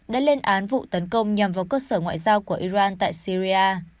đã lên án vụ tấn công nhằm vào cơ sở ngoại giao của iran tại syria